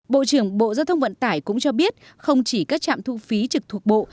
bộ trưởng bộ giao thông vận tải cũng cho biết không chỉ các trạm thu phí trực thuộc bộ